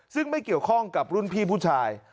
ซึ่งไม่เกี่ยวข้องกับรุ่นพี่ผู้ชาย